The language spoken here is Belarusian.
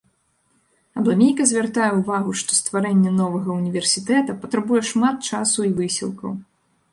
Абламейка звяртае ўвагу, што стварэнне новага ўніверсітэта патрабуе шмат часу і высілкаў.